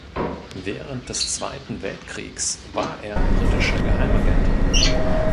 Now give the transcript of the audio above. Während des Zweiten Weltkriegs war er britischer Geheimagent.